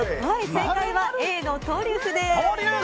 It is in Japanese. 正解はＡのトリュフです。